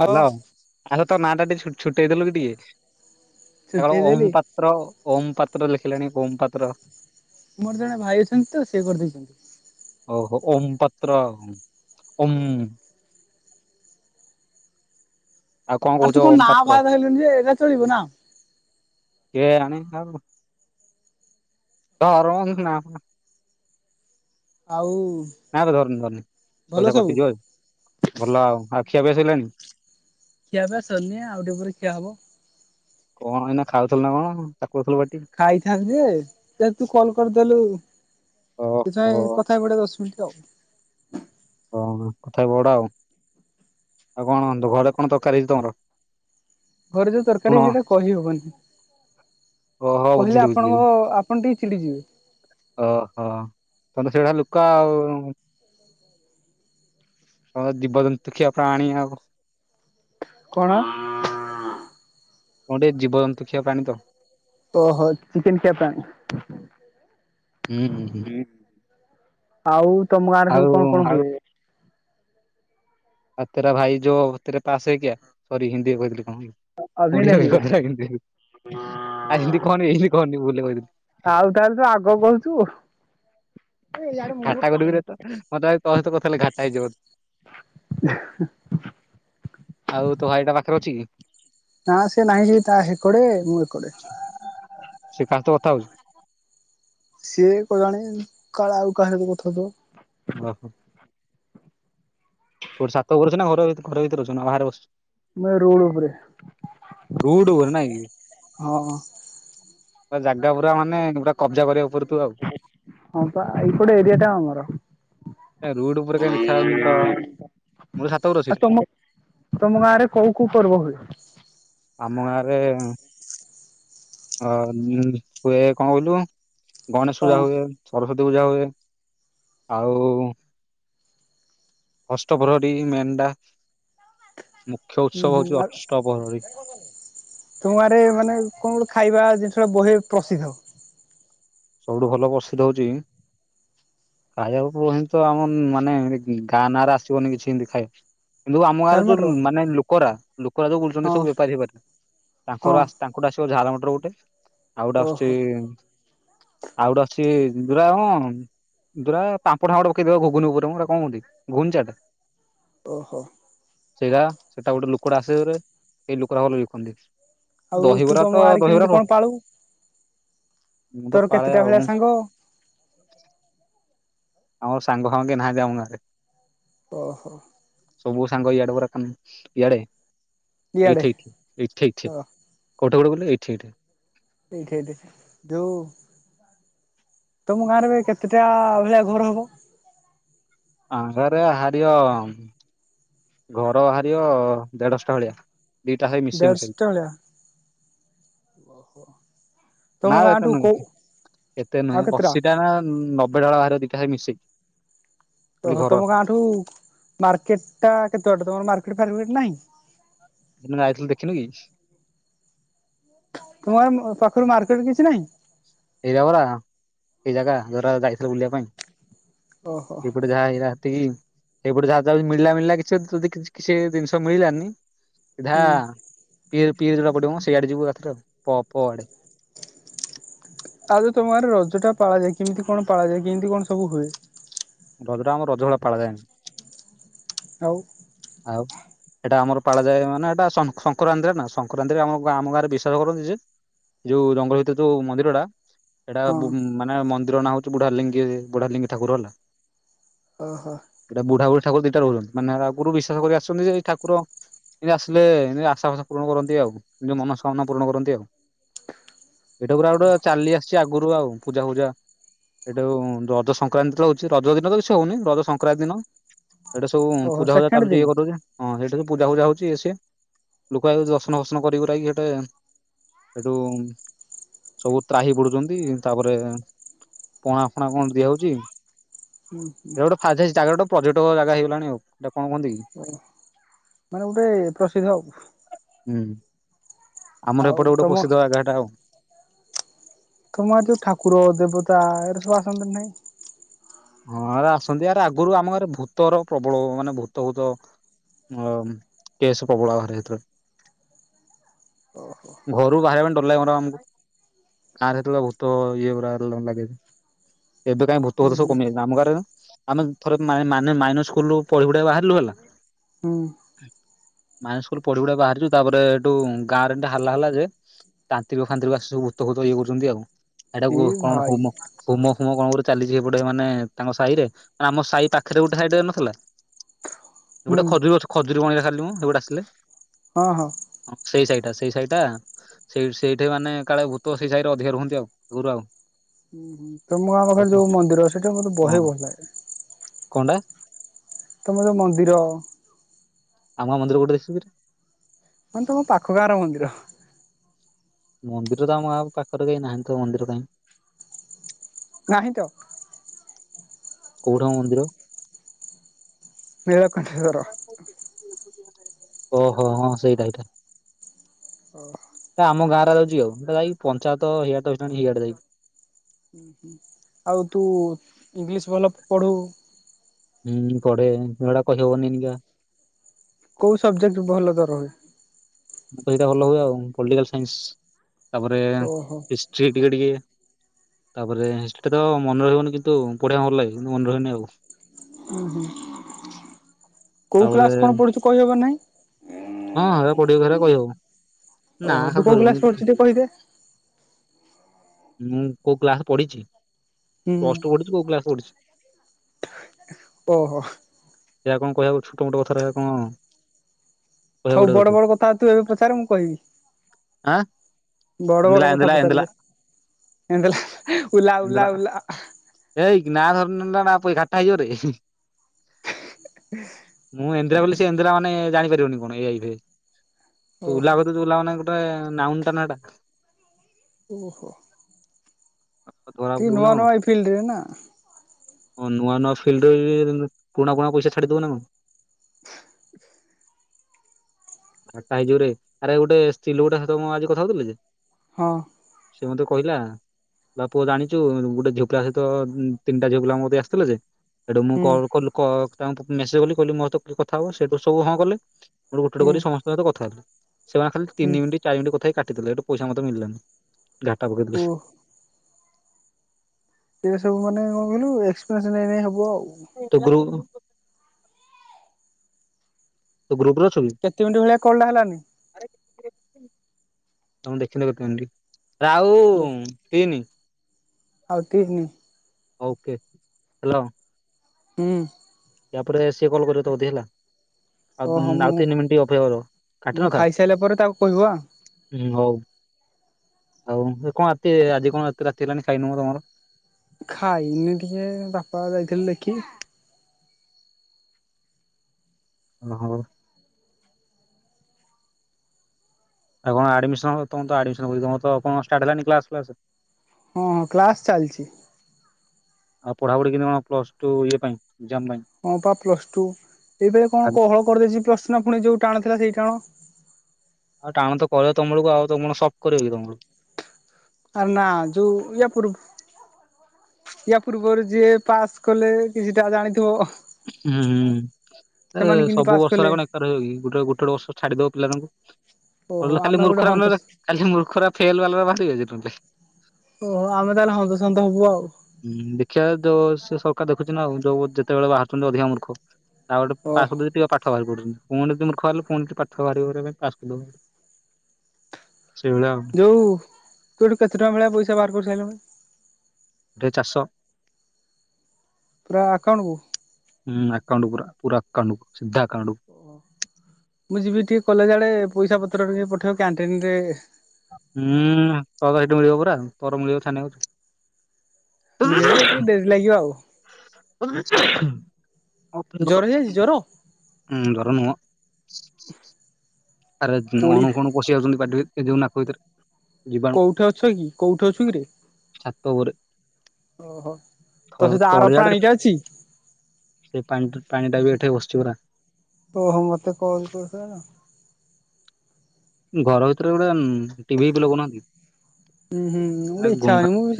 ହଉ ହ୍ୟାଲୋ ଆଛା ତୋ ନା ଟା ଟିକେ ଛୁଟେଇ ଦେଲୁ କି ଟିକେ ସେକଥା ସୁଖେଇ କହୁନୁପା ଦେଲି ପାତ୍ରବାବୁ ଓମ୍ ପାତ୍ର ଲେଖିଲାଣି ଓମ୍ ପାତ୍ର। ମୋର ଜଣେ ଭାଇ ଅଛନ୍ତି ତ ସେଏ କରିଦେଇଛନ୍ତି। ଓହୋ ଓମ୍ ପତ୍ର ଓମ୍। ଆଉ ଆରେ କହୁଛ ତୁ କଣ ଓମ୍ ନାଁ ପାତ୍ର ଫାଆଁ ଧଇଲୁଣି ଯେ ଏଇା ଚଳିବ ନା। କେଏ ଆଣି ଆଉ। ଧର ନା ଆଉ ନାଇଁ ବ ଧରନି ଧରନି ଭଲ ପଇସା ସବୁ। କଟିଯିବ ଭଲ ଆଉ ଆଉ ଖିଆପିଆ ସରିଲାଣିି। ଖିଆପିଆ ସରିନି ଆଉ ଟିକେ ପରେ ଖିଆ ହବ। କଣ ଏଇନା ଖାଉଥିଲୁ ନା କଣ ଚାକୁଳଉଥିଲୁ ପାଟି। ଖାଇଥାନ୍ତି ଯେ ଥେନ୍ ତୁ କଲ କରିଦଲୁ। ଓହୋ [unintelligible] ହଁ କଥା ବଡ ଆଉ ଆଉ କଣ ହୁହନ୍ତୁ ଘରେ କଣ ତରକାର ହେଇଛି ତମର। ଘରେ ଯୋଉ ତୁଣ ତରକାରୀ ହେଟା କହି ହବନି ଓହୋ କହିଲେ ବୁଝିଲି ବୁଝିଲି ଆପଣଙ୍କ କ ଟିକି ଚିଡ଼ିଯିବେ ଓହୋ ତମେ ସେଇଟା ଲୁକା ଆଉ ହଉ ଜୀବଜନ୍ତୁ କିପଣ ଆଣ ଆଉ କଣ? ଗୋଟେ ଜୀବ ଜନ୍ତୁ କିଆ ପାଣି ତ। ଓହୋ ଚିକେନ କେପଣି ହୁଁ ହୁଁ ହୁଁ। ଆଉ ତମ ଗାଁ ରେ ଆଉ ସବୁ କଣ କଣ ହୁଏ - ଆଉ ତେରା ଭାଇ ଯୋଉ ତରେ ପାସ ହେଇକିଆ ସରି ହିନ୍ଦୀ କହିଥିଲି କଣ ଅଭି ଓଡିଆ ନେହି ବି ହେ କଥା କେତି ଏମିତି କନି ଏମିତି କନି ବୁ କହିଥିଲି- ଆଉ ତାହେଲେ ତୁ ଆଗ କହୁଛୁ ଘାଟା କରିକରେ ତ ମତେ ଭ ତ ସହିତ କଥା ହେଲେ ଘାଟା ହେଇଯିବ ଆଉ ତୋ ଭାଇଟା ପାଖରେ ଅଛି କି। ନା ସେ ନାହିଁ ସେ ତା ହେ କଡେ ମୁଁ ଏ କଡେ। ସେ କାହା ସହ କଥା ହଉଛି। ସିଏ କହଲାଣିେ କାଳେ ଆଉ କାହା କଥାଥିବ ଓହୋ। କୋଠି ସାତ କରୁଛ ନା ଘର ଘରେ ଭିତରେ ଅୁଛ ବାହାରେ ବସୁ। ମୁଁ ଏ ରୋଡ ଉପରେ [inaudible] ରୁଡ ବୋଲି ନାହି ହଁ ପୁରା ଜାଗା ପୁରା ମାନେ ପୁରା କବ୍ଜା କରିବା ଉପରୁ ହଁ ଏଇପୋଟେ ଏରିଆ ଟା ଆମର ଏ ରୁଡ୍ ଉପରେ କାଇଁ ଦେଖାଯାଉନି ତ ହୁଁ ମୁଁ ତ ଛାତ ଉପରେ ଅଛି ଆଉ ଏଠି ତମ ତମ ଗାଁ ରେ କୋଉ କୋଉ ପର୍ବ ହୁଏ ଆମ ଗାଁ ରେ ଅ ହୁଏ କଣ କହିଲୁ ଗଣେଶ ହଁ ପୂଜା ହୁଏ ସରସ୍ଵତୀ ପୂଜା ହୁଏ ଆଉ ଅଷ୍ଟପରହରୀ ମେଣ୍ଢା ମୁଖ୍ୟ ଉତ୍ସବ ହଉଛି ଅଷ୍ଟପରହରୀ ନି ତୁମରେ ଗାଁ ରେ ମାନେ କଣ ଗୋ ଖାଇବା ଜିନିଷ ଗ ବହେ ପ୍ରସିଦ୍ଧ। ସବୁଠୁ ଭଲ ପ୍ରସିଦ୍ଧ ହଉଛି। ଖାପୁର ଏତି ତ ଆମ ମାନେ ଗାଁ ନାଁରେ ଆସିବନି କିଛି ଏମିତି ଖା କିନ୍ତୁ ଆମ ଗାଁରେ ଝାଲ ଯୋଉ ମଟର ମାନେ ଲୋକରା ଲୋକରା ଯୋଉ ବୁଲୁଛନ୍ତି ହଁ ସବୁ ବେପାରୀ ହେଇପାରେ ହଁ ତାଙ୍କର ଆ ତାଙ୍କୁଠେ ଆସିବ ଝାଲ ମିଟର ଗୋଟେ ଆଉ ଗୋଟେ ଆସୁଛି ଓହୋ ଆଉ ଗୋଟେ ଅଛି ଦୁରା କଣ? ଦୁରା ପାମ୍ପାଡ ପକେଇଦବ ଘୁନୁ ଉପରେୁରା କଣ ଗୁଘୁନି ଚାଟ? ଓହୋ। ସେଇଟା ସେଇଟା ଗୋଟେ ଲୋକଟା ଆସେରେ ସେଇ ଲୋକଟା ଭଲ ବିକନ୍ତି। ଆଉ ତୁ ଦହିବରା ତମ ତ ଗାଁରେ କେମିତି ଦହିବରା କଣ ପାଳୁ? ମୁଁ ତ ତୋର ପାଳେ କେତେଟା ଆଉ ଭଳିଆ ସାଙ୍ଗ। ଆମର ସାଙ୍ଗ ଫାଙ୍ଗ କେହି ନାହାନ୍ତି ଆମ ଗାଁରେ। ଓହୋ। ସବୁ ସାଙ୍ଗ ଇଆଡେ ପୁର କ ଇଆଡେ ଇଆଡେ ଏଇଠ ଏଇଠି। ଓ ଗୋଟ ଗଟ ଗଲେ ଏଠ ଏଠେ। ଦେଖ ଦେଖ ଯଉ ତମ ଗାଁରେ କେତେଟା ଭଳିଆ ଘର ହବ? ଆ ଘରେ ହାରିଅ ଘର ବାହାରିବ ଦେଢଶଟା ଭଳିଆ ଦିଟା ହେ ମିସିଙ୍ଗ ସେ ଓହୋ। ନା ଏତେ ନୁହେଁ ଏତେ ଆଉ ନୁହେଁ କେତେଟା ଅଶିଟା ନା ନବେଟା ବାହାରାରେ ଦିଇଟା ଖାଇ ମିଶେଇକି। ଖାଲି ଓହୋ ଘର ତମ ଗାଁଠୁ ମାର୍କେଟଟା କେତେ ବାଟ ତମର ମାର୍କେଟ ଫାର୍କେଟ ନାହିଁ? ସେ ଦିନ ଆସିଥିଲୁ ଦେଖିନୁ କି? ତୁମ ପାଖରୁ ମାର୍କେଟରେ କିଛି ନାହିଁ? ଏରିଆ ଭଲା ସେଇ ଜାଗା ଯର ଯାଇଥିଲେ ବୁଲିବା ପାଇଁ। ଓହୋ ଏପଡେ ଯାହା ହେଇ ହେତିକି। ସେଇପଟେ ଯାହା ଯ ମିଳିଲା ମିଳିଲା କିଛି ଯଦି କିଛି ଜିନିଷ ମିଳିଲା ସିଧା। ହୁଁ ପ ପି ଯୋଟା ପଡିବ ସେଇଆଡେ ଯିବୁ ପ ଆଡେ। ଆରେ ତମର ରଜଟା ପାଳା ଯାଏ କେମିତି କଣ ପାଳା ଯାଏ କେମିତି କଣ ସବୁ ହୁଏ? ରଜଟା ଆମ ରଜ ଭଳି ପାଳା ପାଳା ଯାଏନି। ଆଉ। ଆଉ। ଏଇଟା ଆମର ପାଳାଯାଏ ମାନେ ଏଇଟା ସଂକ୍ରାନ୍ତିରେ ନା ସଂକ୍ରାନ୍ତିରେ ଆମ ଆମ ଗାଁରେ ବିଶାସ କରନ୍ତି ଯେ। ଯୋଉ ଜଙ୍ଗଲ ଭିତ ଯୋଉ ମନ୍ଦିରଟା। ଏଇଟା ହଁ ମାନେ ମନ୍ଦିର ନାଁ ହଉଛି ବୁଢାଲିଙ୍ଗ ବୁଢାଲିଙ୍ଗୀ ଠାକୁର ହେଲା। ଓହୋ। ଏଟ ବୁଢ ବୁଢୀଠାକୁ ଦିଟ ରହୁ ମାନେ ଆଗରୁ ବିଶ୍ଵାସ କରି ଆସୁଛନ୍ତି ଏଇ ଠାକୁର। ଏମିତି ଆସିଲେ ଏତି ଆଶା ଫାଷା ପୂରଣ କରନ୍ତି ଆଉ ନିଜ ମନସ୍କାମନା ପୂରଣ କରନ୍ତି ଆଉ। ଏଇଟାକୁୁର ଆଉ ଗୋଟେ ଚାଲି ଆସିଛି ଆଗରୁ ଆଉ ପୂଜା ଫୂଜା। ଏଇଟାଉ ରଜ ସଂକ୍ରାନ୍ତିଟା ହଉଛି ରଜ ଦିନ ତ ବି ସେ ହଉନି ରଜ ସଂକ୍ରାନ୍ତି ଦିନ ଏଇଟା ସବୁ ଓହୋ ପୂଜା ଫୂଜା ସେକେଣ୍ଡ ଚାଲୁଛି ଦିନ ଇଏ ହଁ ସେଇଠା ପୂଜା ଫୂଜା ହଉଛି ଏି ଲୁୋକଇଛି ଦର୍ଶନ ଫର୍ସନ କର ଯକି ସେଠେ। ଏଟୁ। ସବୁ ତ୍ରାହି ପଡୁଛନ୍ତି ତାପରେ ପଣା ଫଣା କଣ ଦିଆ ହଉଛି। ହୁଁ ହୁଁ। ହଁ ସେ ଜାଗା ପର୍ଯ୍ୟଟକ ଜାଗା ହେଇ ଗଲାଣି ଆଉ କଣ କୁହନ୍ତି କି? ମାନେ ଗୋଟେ ପ୍ରସିଦ୍ଧ ଆଉ। ହୁଁ ଆମର ଆଉ ଏପଟେ ଗୋଟେ ତମ ପସିଦ୍ଧ ଜାଗା ହେଟା ଆଉ ତମ ଆଡେ ଯୋଉ ଠାକୁର ଦେବତା ଏଇରା ସବୁ ଆସନ୍ତି ନା ନାଇଁ? ହଁ ଆରେ ଆସନ୍ତି ଆରେ ଆଗରୁ ଆମ ଘରେ ଭୂତର ପ୍ରବଳ ମାନେ ଭୂତ ଭୂତ ଅ କେଏସେ ପ୍ରବଳ ବାହାରେ ହେତେଳେ ହୁଁ ଘରୁ ବାହାରିବା ପାଇଁ ଡର [unintelligible] ଆମକୁ, ଗାଁ ରେ ହେତେଳେ ଭୂତ ଇଏ ପୁରା ଲାଗେଥେ ଏବେ କାଇଁ ଭୂତ ଫୁତ ସବୁ ହୁଁ କମି ଯାଇଚନ୍ତି, ଆମ ଗାଁ ରେ ନା - ଆମେ ଥରେ ମାଇ ମାନେ ମାଇନର ସ୍କୁଲରୁୁ [unintelligible] ବାହାରିଲୁ ଗଲା। ହୁଁ। ମାଇନର ସ୍କୁଲରୁ ପଢିପୁଢାକି ବାହାରିଚୁ ତାପରେ ହେଟୁ ଗାଁରେ - ଟା ହାଲା ହେଲା ଯେ ତାନ୍ତ୍ରିକ ଫାନ୍ତ୍ରିକ ଆସି ସବୁ ଭୂତ ଫୁତ ଇଏ କରୁଚନ୍ତି ଆଉ, ଏ ଏଟାକୁ କଣ ଭାଇ ହୋମ - ହୁମ ଫୁମ କଣ ଗୁରେ ଚାଲିଚି ହେଇପଟେ ମାନେ ତାଙ୍କ ସାଇରେ, ମାନେ ଆମ ସାହି ପାଖେରେ ଗୋଟେ ସାଇ ଟେ ନଥେଲା - ହୁଁ ଗୋଟେ ଖଜୁରୀ ଗଛ ଖଜୁରୀ ବଣିରେ ଖାଲି ମୁଁ ସେ ଗୋଟେ ଆସିଲେ - ହଁ ହଁ। ସେଇ ସାଇ ଟାସ ସେଇ ସାଇ ଟା ସେଇ ସେଇଠି ମାନେ କାଳେ ଭୂତ ସେଇ ସାଇରେ ଅଧିକା ରୁହନ୍ତି ଆଉ ଏଗୁରୁ ଆଉ। ହୁଁ ହୁଁ, ତମ ଗାଁ ପାଖରେ ସେଠି ଯୋଉ ମନ୍ଦିର ସେଇଟା ମୋତେ ବହେ ଭଲ ଲାଗେ। କଣ୍ଡା। ତମ ଯୋଉ ମନ୍ଦିର - ଆମ ଗାଁ ମନ୍ଦିର କୋଉଟି ଦେଖିଚ କି? ମାନେ ତମ ପାଖ ଗାଁର ମନ୍ଦିର। ମନ୍ଦିର ତ ଆମ ଗାଁକୁ ପାଖରେ କେହି ନାହାନ୍ତି ତ ମନ୍ଦିର କାହିଁ। ନାହିଁ ତ। କଉଢ ମନ୍ଦିର। ନୀଳକଣ୍ଠେଶ୍ୱର ଓହୋ ହଁ ସେଇଟା ହେଇଟା। [inaudible] [unintelligible] ହୁଁ ହୁଁ ଆଉ ତୁ ଇଂଲିଶ ଭଲ ପଢ଼ୁ- ହୁଁ ପଢେ ଏଗଡା କହି ହବନି ଏଇନିକା - କୋଉ ସବଜେକ୍ଟ ଭଲ ତୋର ହୁଏ? ସେଇଟା ଭଲ ହୁଏ ଆଉ ପଲିଟିକାଲ ସାଇନ୍ସ ତାପରେ ଓହୋ ହିଷ୍ଟ୍ରି ଟିକେ ଟିକେ ତାପରେ ହିଷ୍ଟି ତ ମନେ ରହିବନି କିନ୍ତୁ ପଢେଇିବାକୁ ଭଲ ଲାଗେ କିନ୍ତୁ ମନେ ରହେନି ଆଉ ଉଁ ହୁ କୋଉ ତାପରେ କ୍ଲାସ୍ କଣ ପଢୁଛୁ କହିହବ ନାହିଁ? ହଁ ହରା ପଡିବ ଖରା କହିହବ ନା ଓହୋ ଖାଲି କୋଉ କ୍ଲାସ ପଢୁଛୁ ଧରିବୁନି ଟିକେ ତୁ କହିଦେ ମୁଁ କୋଉ କ୍ଲାସ ପଢିଛି, ହୁଁ ପ୍ଲସ୍ ଟୁ ପଢିଚି କୋଉ କ୍ଲାସ ପଢିଚି ଓ ହ ଯା କଣ କହିବାକୁ ଛୋଟ ମୋଟ କଥା ରହେ କଣ - ହଉ ବଡ଼ ବଡ କଥା ତୁ ଏବେ ପଚାରେ ମୁଁ କହିବି ଆଁ ବଡ ଏନ୍ଦେଲା ବଡ କଥା ଏନ୍ଦେଲା ଏନ୍ଦେଲା ପଚାରବେ ଏନ୍ଦଲା ଉଲା ଉଲା ଉଲା ଏଇକି ନାଁ ଧରନ ନା ପୁଇ ଘାଟା ହେଇଯିବରେ [inaudible] ମୁଁ ଏନ୍ଦେରା ବୋଲି ସେ ଇନ୍ଦେରା ମାନେ ଜାଣି ପାରିବନି [unintelligible] ତୁ ଓହୋ ଉଲା କଇଦଉ - ଯୁଲା ମାନେ ଗୋଟେ ନାଉଣ୍ଟା ନା ଟା ଓହୋ ଧରା ତୁ ପଡିବୁ ନା ନୂଆ ନୂଆ ଏହି ଫିଲ୍ଡରେ ନା ହ ନୂଆ ନୂଆ ଫିଲ୍ଡରେ ପୁଣା ପୁଣା ପଇସା ଛାଡିଦବ ନାଁ କଣ [unintelligible] ଆ ଟାଜୋ ରେ ଆରେ ଗୋଟେ ସ୍ତ୍ରୀ ଲୋକଟା ସହିତ ଆଜି ମୁଁ କଥା ହଉଥିଲି ଯେ ହଁ ସେ ମତେ କହିଲା ବାପ ଜାଣିଛୁ ଗୋଟେ ଝିଅ ପିଲା ସହିତ ତିନିଟା ଝିଅ ଲା ମଠି ଆସିଥିଲେ ଯେ ସେଠୁ ମୁଁ ହୁଁ କଲ୍ କଲୁ କ ତାଙ୍କୁ ମେସେଜ କଲି କହିଲି ମୋ ସହିତ କି କଥା ହବ ସେଇଠୁ ସବୁ ହଁ କଲେ ସେଠୁ ଗୋଟେ ଗୋଟେ ହୁଁ କରି ସମସ୍ତେ କଥା ହେଲା ସେମାନେ ଖାଲି ହୁଁ ତିନି ମିନଟ୍ ଚାର ମିନିଟ କଥା ହ କାଟିଦେଲେ ଏଇଠୁ ପଇସା ମତେ ମିଳିଲାନି ଓହ [unintelligible] ସେ ସବୁ ମାନେ କଣ କହିଲୁ ଏକ୍ସପିରିଏନ୍ସ ନେଇ ନେଇ ହବ ଆଉ ତୁ ଗ୍ରୁ ତ ଗ୍ରୁପ ରେ ଅଛୁକି କେତେ ମିନିଟ୍ ଭଳିଆ କଲ୍ ଟା ହେଲାନି ତମ ଦେଖି ନେବ କଉଠି ଆଉ ଦେ ତିନି ଆଉ ତନି ଓକେ ହ୍ୟାଲୋ ହୁଁ ତାପରେ ସିଏ କଲ୍ କରିବ ତ ଅଧେ ହେଲା ଆଉ ଓହୋ ମୁଁ ଆଉ ତିନି ମିନିଟ୍ ଅପେକ୍ଷା କର କାଟି ମୁଁ ନଥା ଖାଇସାରିଲା ପରେ ତାକୁ କହିବ ଆଉ। ହୁଁ ହଉ ଆଉ କଣ ରାତି ଆଜି କଣ ରାତି ରାତି ହେଲାଣି ଖାଇନୁହଁ ତମର ଖାଇନି ଟିକେ ବାପା ଯାଇଥିଲେ ଦେଖି ଓହୋ ଆଉ କଣ ଆଡ଼ମିଶନ ତମ ତ ଆଡ୍ମିସନ୍ କଣ ଷ୍ଟାର୍ଟ ହେଲାଣି କ୍ଲାସ୍ ହଁ କ୍ଲାସ୍ ଚାଲିଛି ଆଉ ପଢାପଢି କେନ୍ତି କଣ ପ୍ଲସ୍ ଟୁ ଇଏ ପାଇଁ ଏକ୍ଜାମ ପାଇଁ ହଁ ପା ପ୍ଲସ ଟୁ ଏଇବେଳି କଣ କୋହଳ କରିଦେଇଛି ପ୍ଲସ ଟୁ ନା ପୁଣି ଯୋଉ ଟାଣ ଥିଲା ସେଇ ଟାଣ ଆଉ ଟାଣ ତ କରିବ ତମବେଳକୁ ଆଉ ତମର ସପ୍ଟ କରିବ କି ତମବେଳକୁ ଆ ନା ଯଉ ୟା ପୂର୍ ୟା ପୂର୍ବରୁ ଯିଏ ପାସ୍ କଲେ କିଛିଟା ଜାଣିଥିବ ହୁଁ ସେମାନେ କେମିତି ସବୁ ପାସ୍ ବର୍ଷରେ କଲେ କଣ ଏ କା ରହିବ କି ଗୋଟେ ଗୋଟେ ଗୋଟ ବର୍ଷ ଛାଡିଦ ଦବ ପିଲାମାନଙ୍କୁ ଓହୋ ଆମେ ଖାଲି ଗୋଟେ ମୂର୍ଖର ହନ୍ତ ନରେ କାଲି ମୂର୍ଖ ରାକ ଫେ୍ଲ୍ ବାଲା ବାହାରିବେ ଯେ କେତେ ଓହୋ ଆମେ ତାହେଲେ ହନ୍ତସନ୍ତ ହବୁ ଆଉ ହୁଁ ଦେଖିବା ଯୋଉ ସେ ସରକାର ଦେଖୁଛି ନା ଆଉ ଯୋଉ ଯେତେବେଳେ ବାହାରୁଛନ୍ତି ଅଧିକା ମୂର୍ଖ ତାଉ ଗଟେ ଓହୋ ପାସ୍ କରିଦ ଟେ ପାଠ ବାହାରି ପୁଛନ୍ତି ପୁଣି ଯି ମୂର୍ଖ ବାହାରଲେ ପୁଣି ଟ ପାଠ ବାହାରି ପାଇଁ ପାସ୍ବ [unintelligible] ସେଇଭଳିଆ ଆଉ ହଉ ତୁ ଏଠୁ କେତ ଟଙ୍କା ଭଳିଆ ପଇସା ବାହାର କରିସାରିଲୁଣୁ ଟେ ଚାର୍ଷ ପୁରା ଆକାଉଣ୍ଟକୁୁ ହୁଁ ଆକାଉଣ୍ଟ ପୁରା ପୁରା ଆକାଉଣ୍ଟ ସିଧା ଆକାଉଣ୍ଟ ଓ ମୁଁ ଯିବି ଟିକେ କଲେଜ ଆଡେ ପଇସା ପତ୍ର ପଠେଇବ କ୍ୟାଣ୍ଟିନରେ ହୁଁ ତର ସେଇଠି ମିଳିବ ପୁରାଉ ତୋର ମିଳିବ [unintelligible] ଛାନଛି ମିଳିବ ଯେ ଟିକେ ଡେରି ଲାଗିବ ଆଉ ଜର ହେଇଯାଇଛି ଜର [unintelligible] ଆରେ କୋଳି ଅଣୁ ଖଣୁ ପଶି ଯାଉଛନ୍ତିଟି ଯୋଉ ନାକ ଭିତରେ। ଜୀବାଣୁ। କୋଉଠି ଅଛ କି କୋଉଠି ଅଛୁ କିରେ? ଛାତ ଉପରେ ଓହୋ। ତୋ ସହିତ ଆର ତଳିଆଡ଼ରେ ପ୍ରାଣୀଟା ଅଛି ସେ ପାଣି ପାଣିଟା ବି ଏଠେଇ ବସିଛି ପରା। ତ ମୋତେ କଲ୍ [unintelligible] ଘର ଭିତରେ ଗୋଟେ ଟିଭି ବି ଲଗଉନାହାନ୍ତି। ହୁଁ ହୁ ଆ ଗୋଟେ ଗୁଣୁ ଇଚ୍ଛା ହବ ମୁଁ ବି